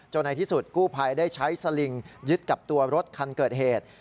จนในที่สุดกู้ภัยได้ใช้ซลิงค์ยึดกับรถทางกันเกิดเหตุ